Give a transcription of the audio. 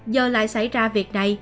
giờ lại xảy ra việc này